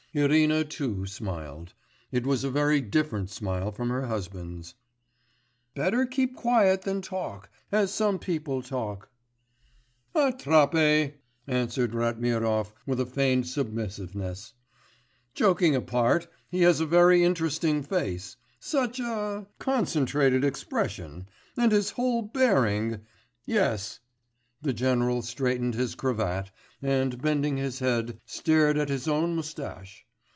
Irina too smiled; it was a very different smile from her husband's. 'Better keep quiet than talk ... as some people talk.' 'Attrapé!' answered Ratmirov with feigned submissiveness. 'Joking apart, he has a very interesting face. Such a ... concentrated expression ... and his whole bearing.... Yes....' The general straightened his cravat, and bending his head stared at his own moustache.